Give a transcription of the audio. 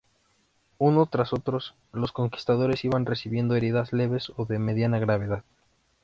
Unos tras otros, los conquistadores iban recibiendo heridas leves o de mediana gravedad.